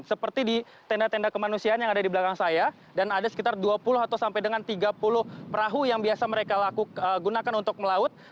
seperti di tenda tenda kemanusiaan yang ada di belakang saya dan ada sekitar dua puluh atau sampai dengan tiga puluh perahu yang biasa mereka gunakan untuk melaut